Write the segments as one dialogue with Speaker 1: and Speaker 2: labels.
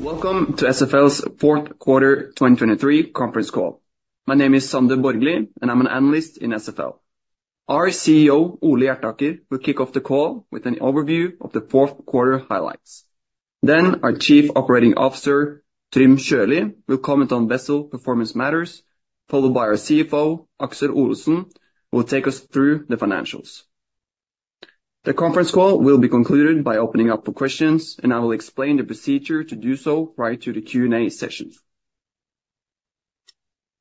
Speaker 1: Welcome to SFL's fourth quarter 2023 conference call. My name is Sander Borgli, and I'm an analyst in SFL. Our CEO, Ole Hjertaker, will kick off the call with an overview of the fourth quarter highlights. Then our Chief Operating Officer, Trym Sjølie, will comment on vessel performance matters, followed by our CFO, Aksel Olesen, who will take us through the financials. The conference call will be concluded by opening up for questions, and I will explain the procedure to do so right through the Q&A session.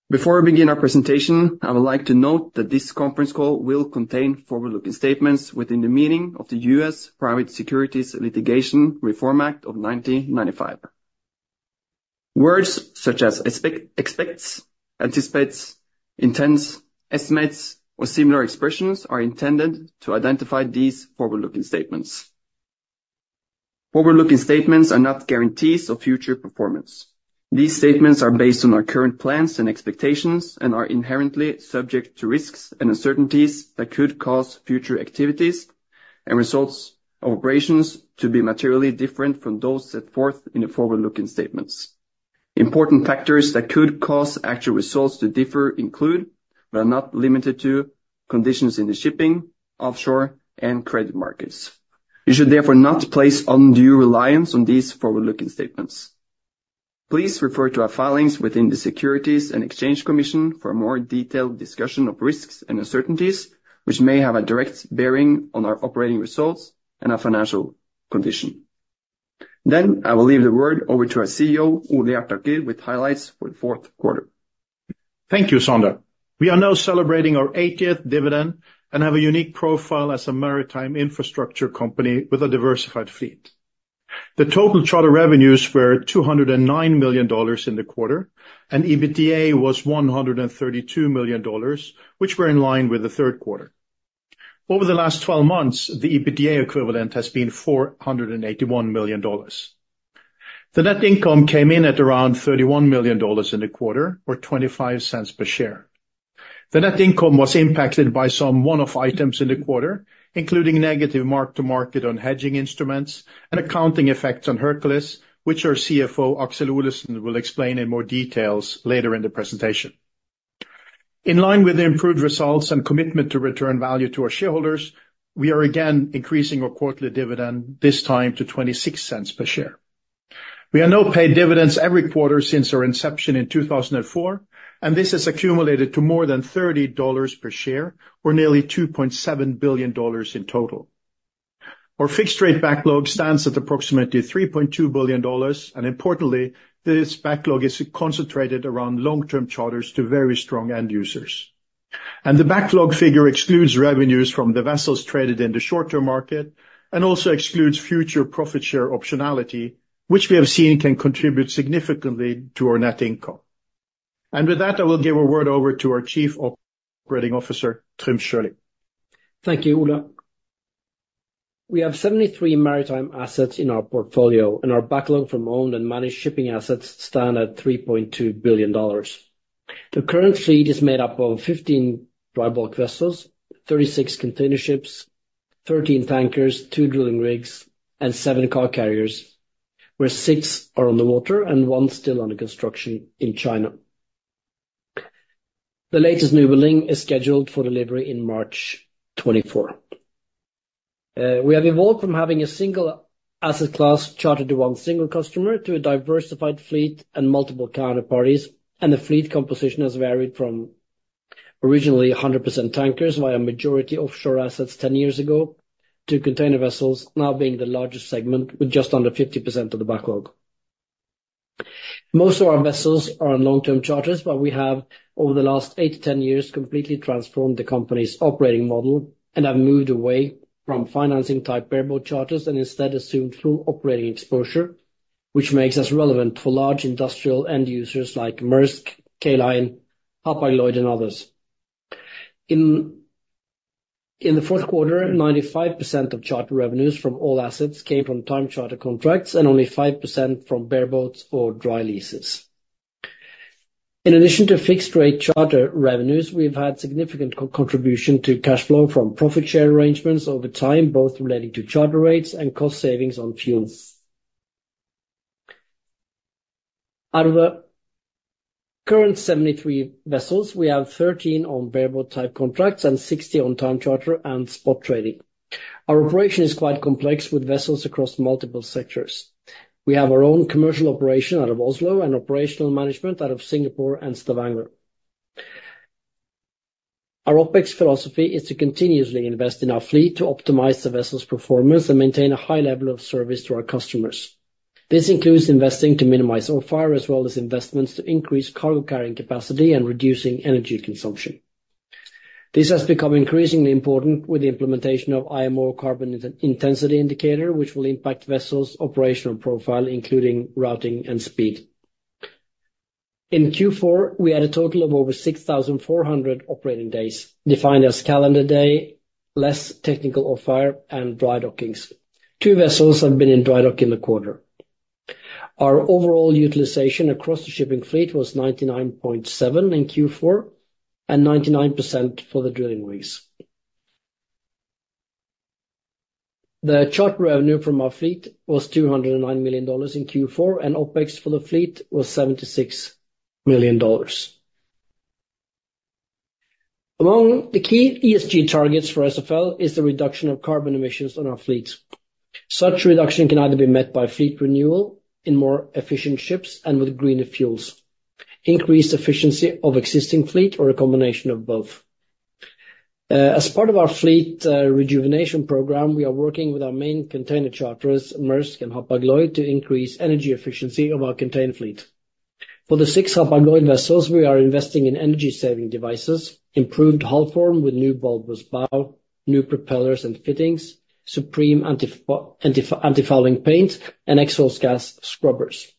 Speaker 1: Before we begin our presentation, I would like to note that this conference call will contain forward-looking statements within the meaning of the U.S. Private Securities Litigation Reform Act of 1995. Words such as expects, anticipates, intents, estimates, or similar expressions are intended to identify these forward-looking statements. Forward-looking statements are not guarantees of future performance. These statements are based on our current plans and expectations and are inherently subject to risks and uncertainties that could cause future activities and results of operations to be materially different from those set forth in the forward-looking statements. Important factors that could cause actual results to differ include, but are not limited to, conditions in the shipping, offshore, and credit markets. You should therefore not place undue reliance on these forward-looking statements. Please refer to our filings within the Securities and Exchange Commission for a more detailed discussion of risks and uncertainties, which may have a direct bearing on our operating results and our financial condition. Then I will leave the word over to our CEO, Ole Hjertaker, with highlights for the fourth quarter.
Speaker 2: Thank you, Sander. We are now celebrating our 80th dividend and have a unique profile as a maritime infrastructure company with a diversified fleet. The total charter revenues were $209 million in the quarter, and EBITDA was $132 million, which were in line with the third quarter. Over the last 12 months, the EBITDA equivalent has been $481 million. The net income came in at around $31 million in the quarter, or $0.25 per share. The net income was impacted by some one-off items in the quarter, including negative mark-to-market on hedging instruments and accounting effects on Hercules, which our CFO, Aksel C. Olesen, will explain in more details later in the presentation. In line with the improved results and commitment to return value to our shareholders, we are again increasing our quarterly dividend, this time to $0.26 per share. We are now paying dividends every quarter since our inception in 2004, and this has accumulated to more than $30 per share, or nearly $2.7 billion in total. Our fixed-rate backlog stands at approximately $3.2 billion, and importantly, this backlog is concentrated around long-term charters to very strong end users. The backlog figure excludes revenues from the vessels traded in the short-term market and also excludes future profit share optionality, which we have seen can contribute significantly to our net income. With that, I will give a word over to our Chief Operating Officer, Trym Sjølie.
Speaker 3: Thank you, Ole. We have 73 maritime assets in our portfolio, and our backlog from owned and managed shipping assets stands at $3.2 billion. The current fleet is made up of 15 dry bulk vessels, 36 container ships, 13 tankers, two drilling rigs, and seven car carriers, where six are on the water and one still under construction in China. The latest new building is scheduled for delivery in March 2024. We have evolved from having a single asset class chartered to one single customer to a diversified fleet and multiple counterparties, and the fleet composition has varied from originally 100% tankers via a majority offshore assets 10 years ago to container vessels, now being the largest segment with just under 50% of the backlog. Most of our vessels are on long-term charters, but we have, over the last eight-10 years, completely transformed the company's operating model and have moved away from financing-type bareboat charters and instead assumed full operating exposure, which makes us relevant for large industrial end users like Maersk, K Line, Hapag-Lloyd, and others. In the fourth quarter, 95% of charter revenues from all assets came from time charter contracts and only 5% from bareboats or dry leases. In addition to fixed-rate charter revenues, we've had significant contribution to cash flow from profit share arrangements over time, both relating to charter rates and cost savings on fuel. Out of the current 73 vessels, we have 13 on bareboat-type contracts and 60 on time charter and spot trading. Our operation is quite complex with vessels across multiple sectors. We have our own commercial operation out of Oslo and operational management out of Singapore and Stavanger. Our OpEx philosophy is to continuously invest in our fleet to optimize the vessel's performance and maintain a high level of service to our customers. This includes investing to minimize off-hire as well as investments to increase cargo-carrying capacity and reducing energy consumption. This has become increasingly important with the implementation of IMO Carbon Intensity Indicator, which will impact vessels' operational profile, including routing and speed. In Q4, we had a total of over 6,400 operating days, defined as calendar day, less technical off-hire, and dry dockings. Two vessels have been in dry dock in the quarter. Our overall utilization across the shipping fleet was 99.7% in Q4 and 99% for the drilling rigs. The charter revenue from our fleet was $209 million in Q4, and OpEx for the fleet was $76 million. Among the key ESG targets for SFL is the reduction of carbon emissions on our fleet. Such reduction can either be met by fleet renewal in more efficient ships and with greener fuels, increased efficiency of existing fleet, or a combination of both. As part of our fleet rejuvenation program, we are working with our main container charterers, Maersk and Hapag-Lloyd, to increase energy efficiency of our container fleet. For the six Hapag-Lloyd vessels, we are investing in energy-saving devices, improved hull form with new bulbous bow, new propellers and fittings, supreme antifouling paint, and exhaust gas scrubbers.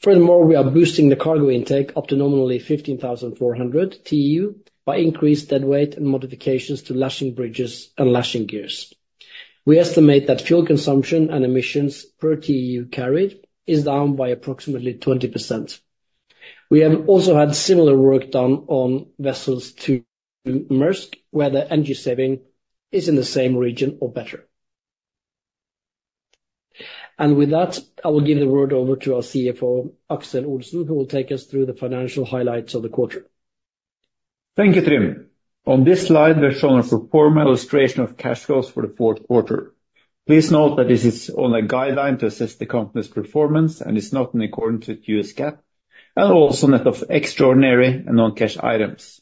Speaker 3: Furthermore, we are boosting the cargo intake up to nominally 15,400 TEU by increased deadweight and modifications to lashing bridges and lashing gears. We estimate that fuel consumption and emissions per TEU carried is down by approximately 20%. We have also had similar work done on vessels to Maersk, where the energy saving is in the same region or better. With that, I will give the word over to our CFO, Aksel Olesen, who will take us through the financial highlights of the quarter.
Speaker 4: Thank you, Trym. On this slide, we're showing a formal illustration of cash flows for the fourth quarter. Please note that this is only a guideline to assess the company's performance and is not in accordance with U.S. GAAP, and also a net of extraordinary and non-cash items.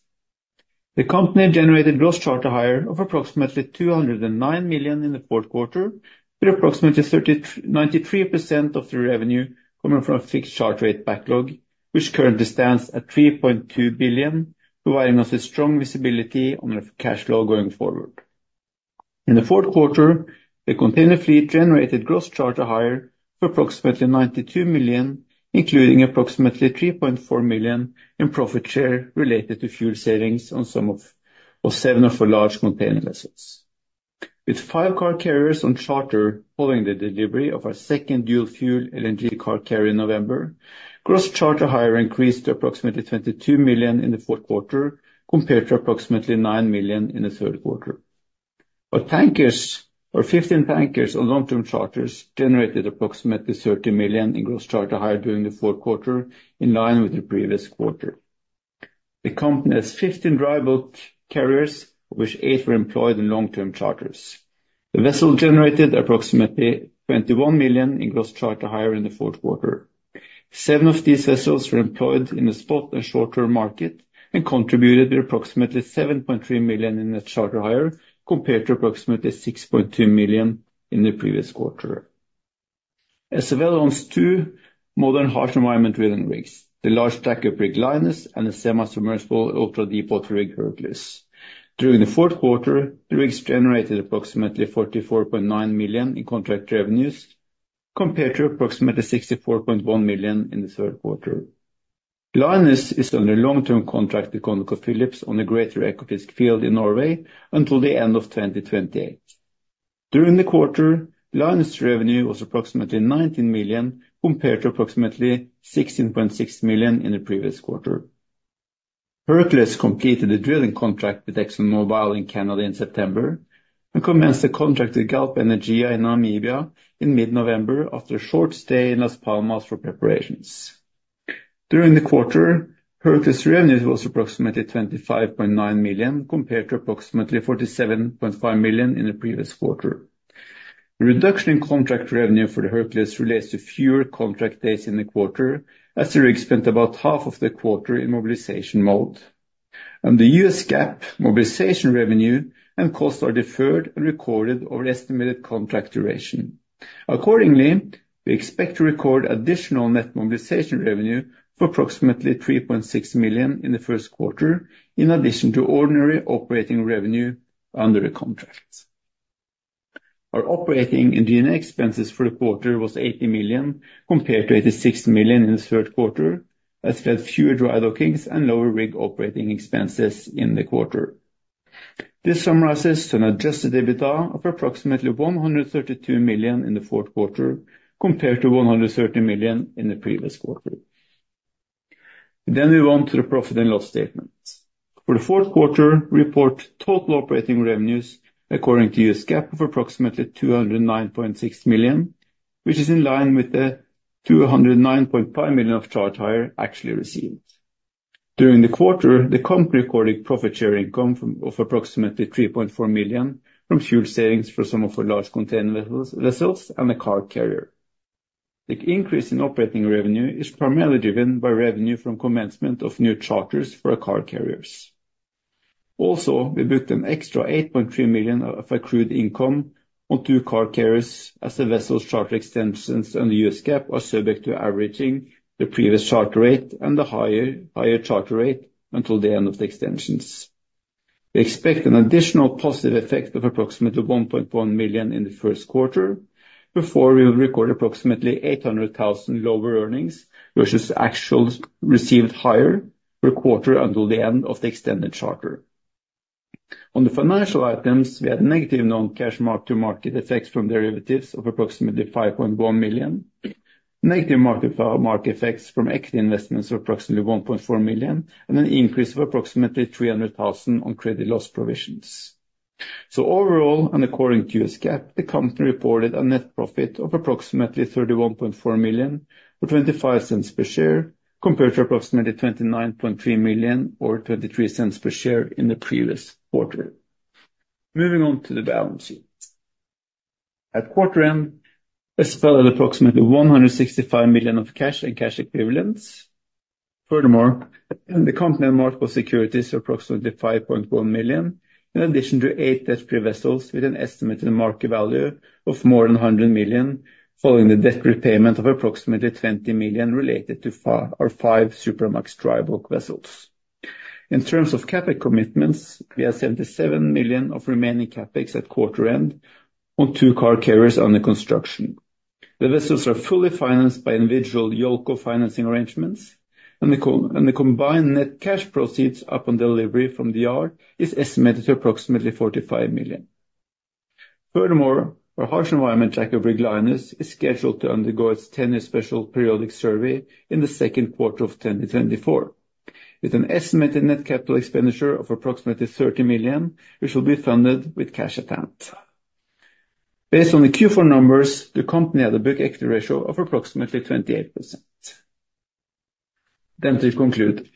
Speaker 4: The company generated gross charter hire of approximately $209 million in the fourth quarter, with approximately 93% of the revenue coming from a fixed charter rate backlog, which currently stands at $3.2 billion, providing us with strong visibility on our cash flow going forward. In the fourth quarter, the container fleet generated gross charter hire for approximately $92 million, including approximately $3.4 million in profit share related to fuel savings on some of seven of our large container vessels. With five car carriers on charter following the delivery of our second Dual-Fuel LNG car carrier in November, gross charter hire increased to approximately $22 million in the fourth quarter compared to approximately $9 million in the third quarter. Our 15 tankers on long-term charters generated approximately $30 million in gross charter hire during the fourth quarter, in line with the previous quarter. The company has 15 dry bulk carriers, of which eight were employed in long-term charters. The vessels generated approximately $21 million in gross charter hire in the fourth quarter. Seven of these vessels were employed in the spot and short-term market and contributed with approximately $7.3 million in net charter hire compared to approximately $6.2 million in the previous quarter. SFL owns two modern harsh environment drilling rigs, the large jack-up rig Linus and the semi-submersible ultra-deepwater rig Hercules. During the fourth quarter, the rigs generated approximately $44.9 million in contract revenues compared to approximately $64.1 million in the third quarter. Linus is under long-term contract with ConocoPhillips on the Greater Ekofisk field in Norway until the end of 2028. During the quarter, Linus' revenue was approximately $19 million compared to approximately $16.6 million in the previous quarter. Hercules completed the drilling contract with ExxonMobil in Canada in September and commenced the contract with Galp Energia in Namibia in mid-November after a short stay in Las Palmas for preparations. During the quarter, Hercules' revenues were approximately $25.9 million compared to approximately $47.5 million in the previous quarter. The reduction in contract revenue for the Hercules relates to fewer contract days in the quarter, as the rig spent about half of the quarter in mobilization mode. Under U.S. GAAP, mobilization revenue and costs are deferred and recorded over estimated contract duration. Accordingly, we expect to record additional net mobilization revenue for approximately $3.6 million in the first quarter, in addition to ordinary operating revenue under a contract. Our operating and G&A expenses for the quarter were $80 million compared to $86 million in the third quarter, as we had fewer dry dockings and lower rig operating expenses in the quarter. This summarizes to an Adjusted EBITDA of approximately $132 million in the fourth quarter compared to $130 million in the previous quarter. Then we move on to the profit and loss statement. For the fourth quarter, we report total operating revenues according to U.S. GAAP of approximately $209.6 million, which is in line with the $209.5 million of charter hire actually received. During the quarter, the company recorded profit share income of approximately $3.4 million from fuel savings for some of our large container vessels and a car carrier. The increase in operating revenue is primarily driven by revenue from commencement of new charters for our car carriers. Also, we booked an extra $8.3 million of accrued income on two car carriers, as the vessels' charter extensions under U.S. GAAP are subject to averaging the previous charter rate and the higher charter rate until the end of the extensions. We expect an additional positive effect of approximately $1.1 million in the first quarter before we will record approximately $800,000 lower earnings versus actual received higher per quarter until the end of the extended charter. On the financial items, we had negative non-cash mark-to-market effects from derivatives of approximately $5.1 million, negative mark-to-market effects from equity investments of approximately $1.4 million, and an increase of approximately $300,000 on credit loss provisions. So overall, and according to U.S. GAAP, the company reported a net profit of approximately $31.4 million or $0.25 per share compared to approximately $29.3 million or $0.23 per share in the previous quarter. Moving on to the balance sheet. At quarter end, SFL had approximately $165 million of cash and cash equivalents. Furthermore, the company had marketable securities of approximately $5.1 million, in addition to eight debt-free vessels with an estimated market value of more than $100 million, following the debt repayment of approximately $20 million related to our five Supramax dry bulk vessels. In terms of CapEx commitments, we had $77 million of remaining CapEx at quarter end on two car carriers under construction. The vessels are fully financed by individual JOLCO financing arrangements, and the combined net cash proceeds upon delivery from the yard is estimated to approximately $45 million. Furthermore, our harsh environment jack-up rig Linus is scheduled to undergo its 10-year Special Periodic Survey in the second quarter of 2024, with an estimated net capital expenditure of approximately $30 million, which will be funded with cash at hand. Based on the Q4 numbers, the company had a book equity ratio of approximately 28%. Then to conclude,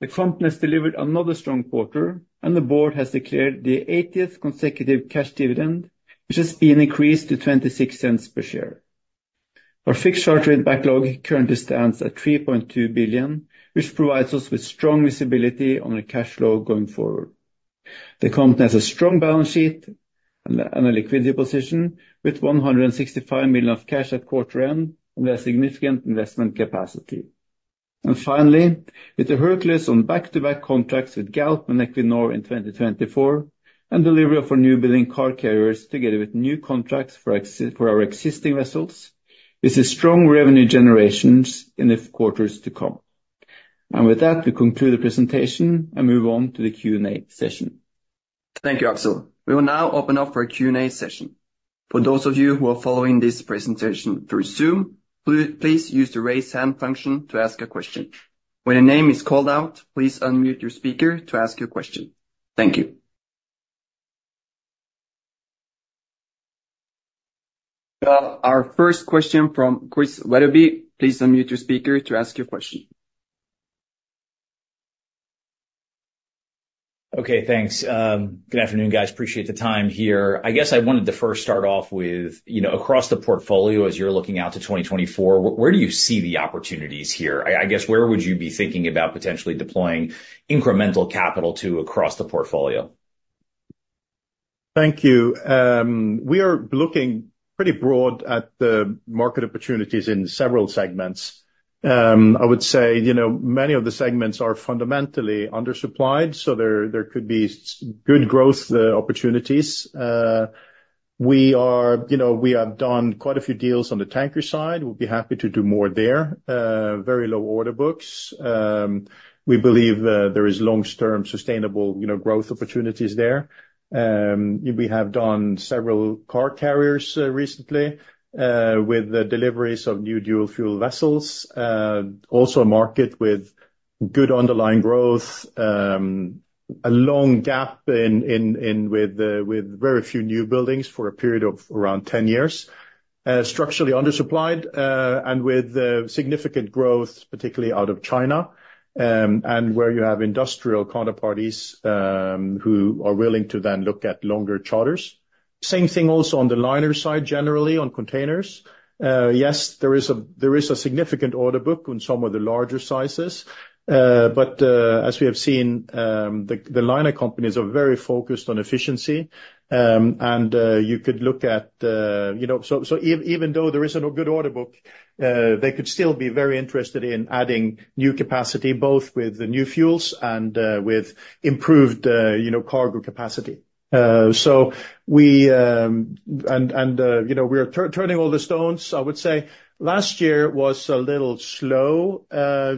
Speaker 4: the company has delivered another strong quarter, and the board has declared the 80th consecutive cash dividend, which has been increased to $0.26 per share. Our fixed charter rate backlog currently stands at $3.2 billion, which provides us with strong visibility on our cash flow going forward. The company has a strong balance sheet and a liquidity position with $165 million of cash at quarter end, and they have significant investment capacity. And finally, with the Hercules on back-to-back contracts with Galp and Equinor in 2024 and delivery of our new-building car carriers together with new contracts for our existing vessels, we see strong revenue generations in the quarters to come. And with that, we conclude the presentation and move on to the Q&A session.
Speaker 1: Thank you, Aksel. We will now open up for a Q&A session. For those of you who are following this presentation through Zoom, please use the raise hand function to ask a question. When your name is called out, please unmute your speaker to ask your question. Thank you. Our first question from Chris Wetherbee. Please unmute your speaker to ask your question.
Speaker 5: Okay, thanks. Good afternoon, guys. Appreciate the time here. I guess I wanted to first start off with, across the portfolio, as you're looking out to 2024, where do you see the opportunities here? I guess where would you be thinking about potentially deploying incremental capital to across the portfolio?
Speaker 2: Thank you. We are looking pretty broad at the market opportunities in several segments. I would say many of the segments are fundamentally undersupplied, so there could be good growth opportunities. We have done quite a few deals on the tanker side. We'll be happy to do more there. Very low order books. We believe there are long-term sustainable growth opportunities there. We have done several car carriers recently with deliveries of new dual-fuel vessels. Also a market with good underlying growth, a long gap with very few newbuildings for a period of around 10 years. Structurally undersupplied and with significant growth, particularly out of China, and where you have industrial counterparties who are willing to then look at longer charters. Same thing also on the liner side, generally, on containers. Yes, there is a significant order book on some of the larger sizes, but as we have seen, the liner companies are very focused on efficiency. And you could look at so even though there is no good order book, they could still be very interested in adding new capacity, both with new fuels and with improved cargo capacity. And we are turning all the stones. I would say last year was a little slow,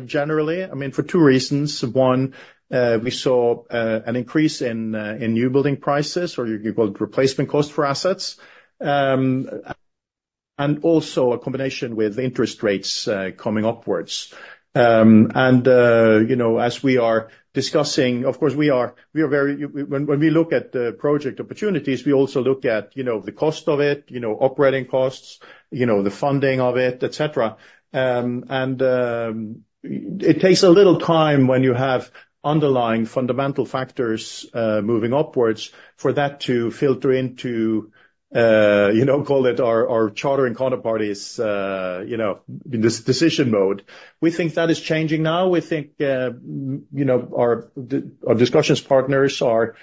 Speaker 2: generally. I mean, for two reasons. One, we saw an increase in new-building prices, or you could call it replacement costs for assets, and also a combination with interest rates coming upwards. And as we are discussing of course, we are very when we look at the project opportunities, we also look at the cost of it, operating costs, the funding of it, etc. It takes a little time when you have underlying fundamental factors moving upwards for that to filter into, call it, our chartering counterparties' decision mode. We think that is changing now. We think our discussions partners are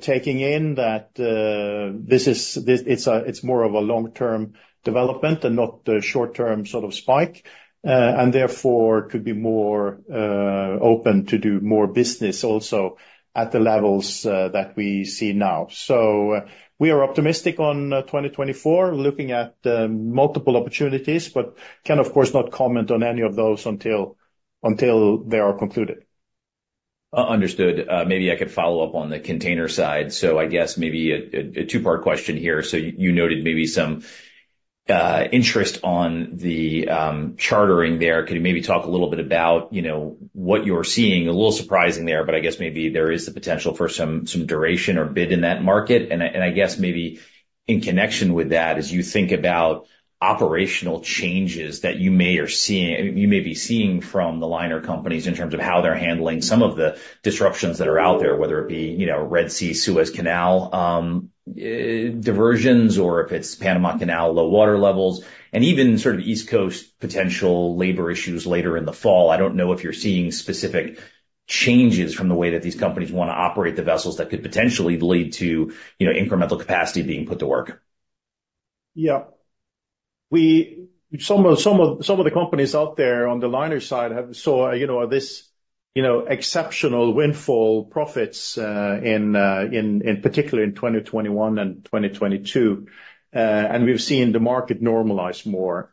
Speaker 2: taking in that this is more of a long-term development and not the short-term sort of spike, and therefore could be more open to do more business also at the levels that we see now. We are optimistic on 2024, looking at multiple opportunities, but can, of course, not comment on any of those until they are concluded.
Speaker 5: Understood. Maybe I could follow up on the container side. So I guess maybe a two-part question here. So you noted maybe some interest on the chartering there. Could you maybe talk a little bit about what you're seeing? A little surprising there, but I guess maybe there is the potential for some duration or bid in that market. And I guess maybe in connection with that, as you think about operational changes that you may be seeing from the liner companies in terms of how they're handling some of the disruptions that are out there, whether it be Red Sea, Suez Canal diversions, or if it's Panama Canal low water levels, and even sort of East Coast potential labor issues later in the fall. I don't know if you're seeing specific changes from the way that these companies want to operate the vessels that could potentially lead to incremental capacity being put to work.
Speaker 2: Yep. Some of the companies out there on the liner side saw this exceptional windfall profits, particularly in 2021 and 2022, and we've seen the market normalize more.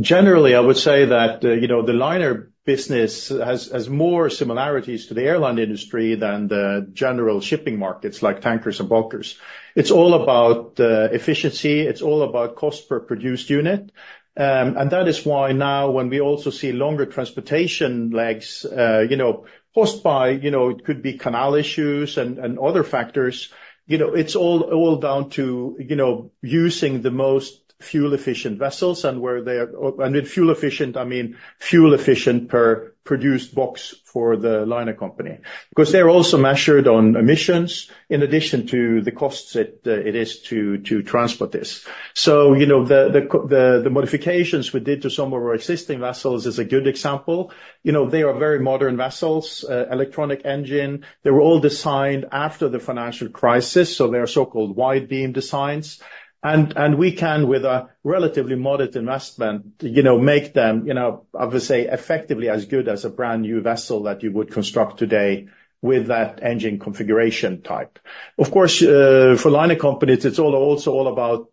Speaker 2: Generally, I would say that the liner business has more similarities to the airline industry than the general shipping markets like tankers and bulkers. It's all about efficiency. It's all about cost per produced unit. And that is why now, when we also see longer transportation legs caused by it could be canal issues and other factors, it's all down to using the most fuel-efficient vessels. And with fuel-efficient, I mean fuel-efficient per produced box for the liner company because they're also measured on emissions in addition to the costs it is to transport this. So the modifications we did to some of our existing vessels is a good example. They are very modern vessels, electronic engine. They were all designed after the financial crisis. So they are so-called wide-beam designs. And we can, with a relatively modest investment, make them, I would say, effectively as good as a brand new vessel that you would construct today with that engine configuration type. Of course, for liner companies, it's also all about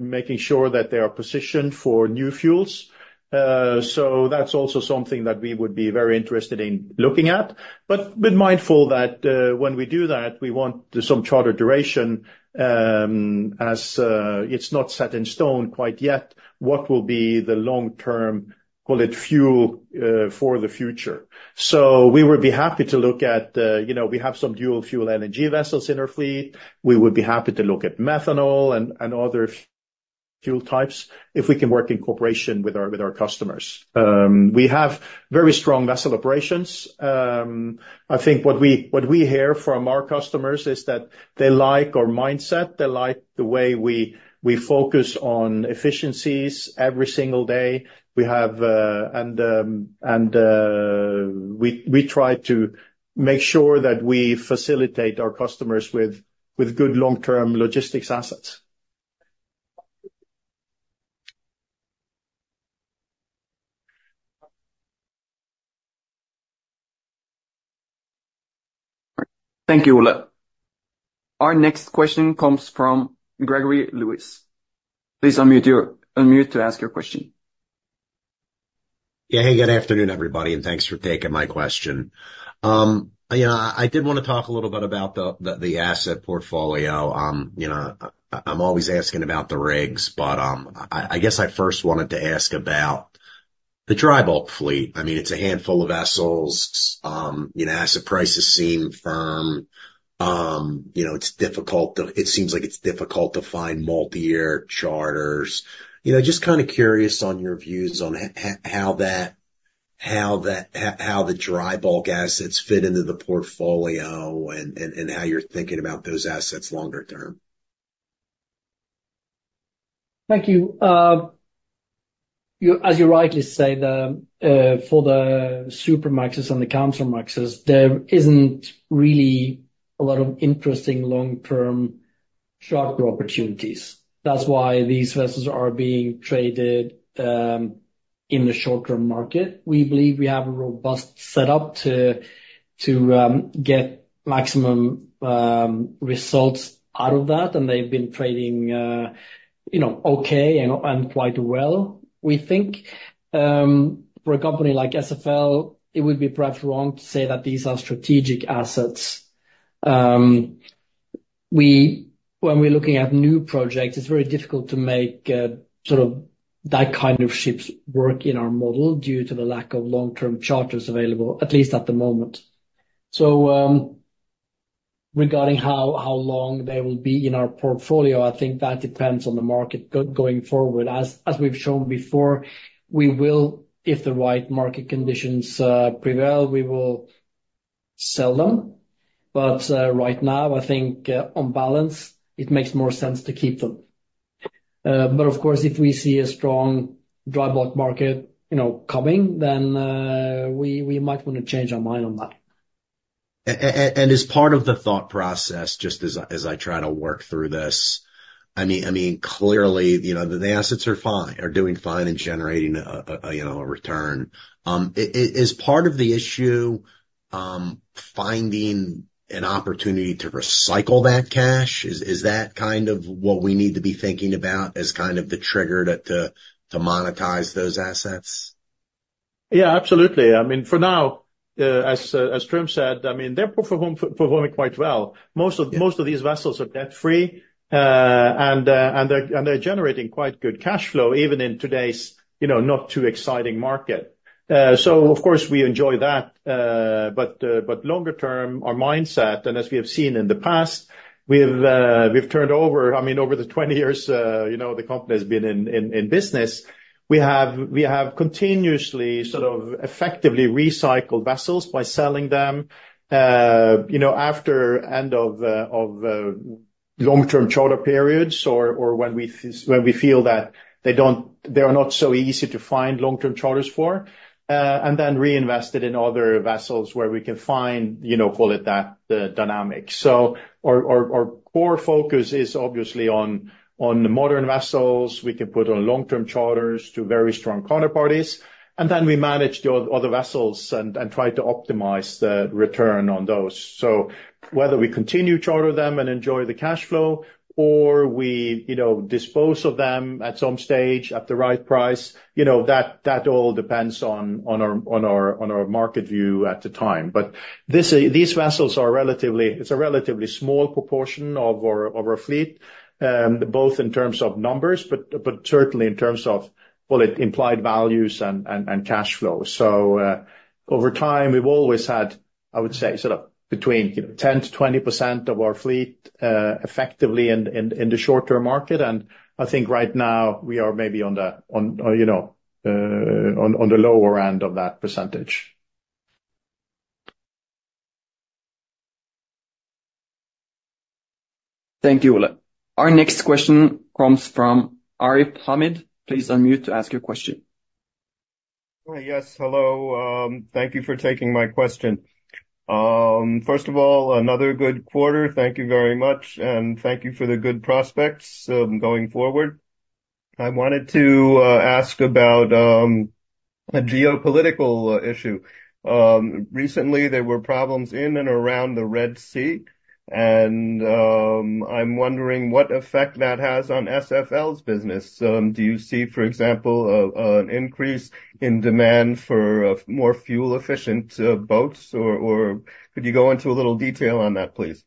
Speaker 2: making sure that they are positioned for new fuels. So that's also something that we would be very interested in looking at, but mindful that when we do that, we want some charter duration as it's not set in stone quite yet what will be the long-term, call it, fuel for the future. So we would be happy to look at we have some dual-fuel energy vessels in our fleet. We would be happy to look at methanol and other fuel types if we can work in cooperation with our customers. We have very strong vessel operations. I think what we hear from our customers is that they like our mindset. They like the way we focus on efficiencies every single day. We try to make sure that we facilitate our customers with good long-term logistics assets.
Speaker 1: Thank you, Ole. Our next question comes from Gregory Lewis. Please unmute to ask your question.
Speaker 6: Yeah, hey, good afternoon, everybody, and thanks for taking my question. I did want to talk a little bit about the asset portfolio. I'm always asking about the rigs, but I guess I first wanted to ask about the dry bulk fleet. I mean, it's a handful of vessels. Asset prices seem firm. It seems like it's difficult to find multi-year charters. Just kind of curious on your views on how the dry bulk assets fit into the portfolio and how you're thinking about those assets longer term.
Speaker 3: Thank you. As you rightly say, for the Supramaxes and the Capemaxes, there isn't really a lot of interesting long-term charter opportunities. That's why these vessels are being traded in the short-term market. We believe we have a robust setup to get maximum results out of that, and they've been trading okay and quite well, we think. For a company like SFL, it would be perhaps wrong to say that these are strategic assets. When we're looking at new projects, it's very difficult to make sort of that kind of ships work in our model due to the lack of long-term charters available, at least at the moment. So regarding how long they will be in our portfolio, I think that depends on the market going forward. As we've shown before, if the right market conditions prevail, we will sell them. But right now, I think on balance, it makes more sense to keep them. But of course, if we see a strong dry bulk market coming, then we might want to change our mind on that.
Speaker 6: As part of the thought process, just as I try to work through this, I mean, clearly, the assets are fine, are doing fine and generating a return. Is part of the issue finding an opportunity to recycle that cash? Is that kind of what we need to be thinking about as kind of the trigger to monetize those assets?
Speaker 2: Yeah, absolutely. I mean, for now, as Trym said, I mean, they're performing quite well. Most of these vessels are debt-free, and they're generating quite good cash flow even in today's not-too-exciting market. So of course, we enjoy that. But longer term, our mindset, and as we have seen in the past, we've turned over I mean, over the 20 years the company has been in business, we have continuously sort of effectively recycled vessels by selling them after end-of-long-term charter periods or when we feel that they are not so easy to find long-term charters for, and then reinvested in other vessels where we can find, call it that, the dynamic. So our core focus is obviously on modern vessels. We can put on long-term charters to very strong counterparties. And then we manage the other vessels and try to optimize the return on those. So whether we continue to charter them and enjoy the cash flow, or we dispose of them at some stage at the right price, that all depends on our market view at the time. But these vessels are relatively, it's a relatively small proportion of our fleet, both in terms of numbers, but certainly in terms of, well, implied values and cash flow. So over time, we've always had, I would say, sort of between 10%-20% of our fleet effectively in the short-term market. And I think right now, we are maybe on the lower end of that percentage.
Speaker 1: Thank you, Ole. Our next question comes from Arif Hamid. Please unmute to ask your question.
Speaker 7: Yes, hello. Thank you for taking my question. First of all, another good quarter. Thank you very much, and thank you for the good prospects going forward. I wanted to ask about a geopolitical issue. Recently, there were problems in and around the Red Sea, and I'm wondering what effect that has on SFL's business. Do you see, for example, an increase in demand for more fuel-efficient boats? Or could you go into a little detail on that, please?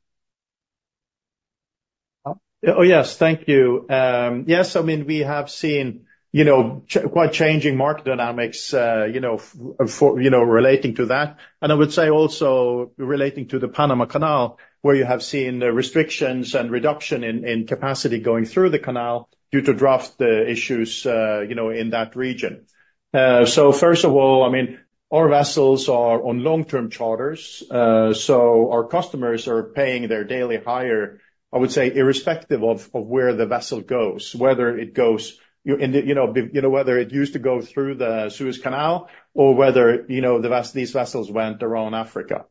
Speaker 2: Oh, yes, thank you. Yes, I mean, we have seen quite changing market dynamics relating to that. And I would say also relating to the Panama Canal, where you have seen restrictions and reduction in capacity going through the canal due to draft issues in that region. So first of all, I mean, our vessels are on long-term charters. So our customers are paying their daily hire, I would say, irrespective of where the vessel goes, whether it goes whether it used to go through the Suez Canal or whether these vessels went around Africa.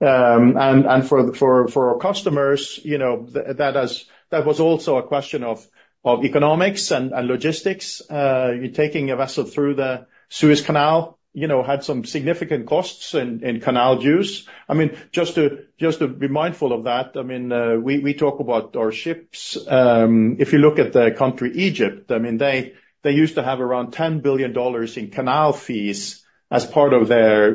Speaker 2: And for our customers, that was also a question of economics and logistics. Taking a vessel through the Suez Canal had some significant costs in canal dues. I mean, just to be mindful of that, I mean, we talk about our ships. If you look at the country Egypt, I mean, they used to have around $10 billion in canal fees as part of their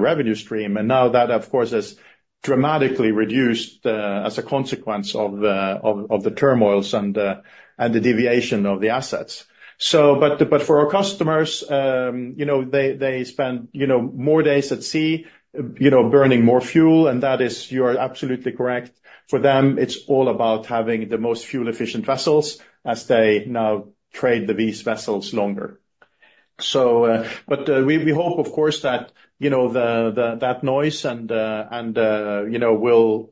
Speaker 2: revenue stream. And now that, of course, has dramatically reduced as a consequence of the turmoils and the deviation of the assets. But for our customers, they spend more days at sea burning more fuel. And you are absolutely correct. For them, it's all about having the most fuel-efficient vessels as they now trade these vessels longer. But we hope, of course, that that noise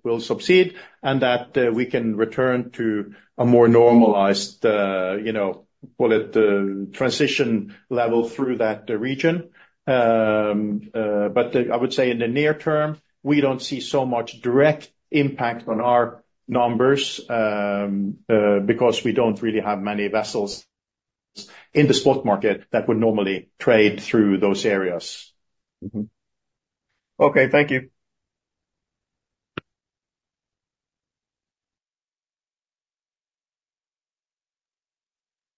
Speaker 2: will subside and that we can return to a more normalized, call it, transition level through that region. But I would say in the near term, we don't see so much direct impact on our numbers because we don't really have many vessels in the spot market that would normally trade through those areas.
Speaker 7: Okay, thank you.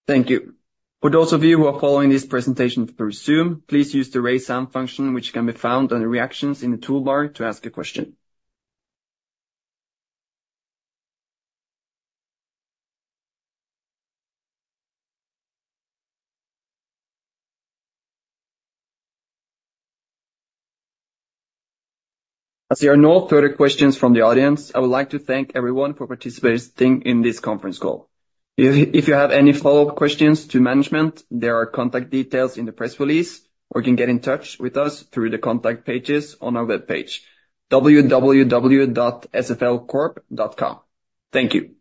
Speaker 1: Thank you. For those of you who are following this presentation through Zoom, please use the raise hand function, which can be found on the reactions in the toolbar to ask a question. As there are no further questions from the audience, I would like to thank everyone for participating in this conference call. If you have any follow-up questions to management, there are contact details in the press release, or you can get in touch with us through the contact pages on our web page, www.sflcorp.com. Thank you.
Speaker 8: We are preparing the pilot ladder. Thank you. We are going to prepare on starboard side.